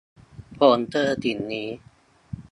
ผมเจอสิ่งนี้